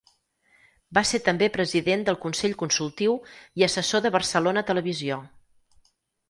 Va ser també president del Consell Consultiu i Assessor de Barcelona Televisió.